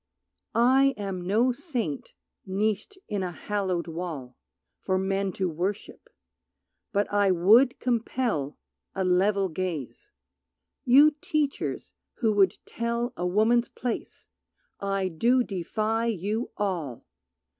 I am no saint niched in a hallowed wall For men to worship, but I would compel A level gaze. You teachers who would tell A woman's place I do defy you all!